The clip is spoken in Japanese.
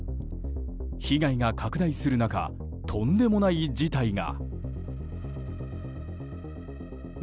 被害が拡大する中とんでもない事態が。